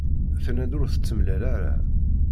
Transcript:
Tenna-d ur t-temlal ara.